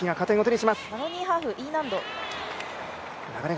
マロニーハーフ、Ｅ難度。